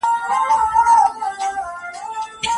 افغان نجوني په نړیوالو غونډو کي رسمي استازیتوب نه لري.